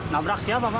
nabrak siapa pak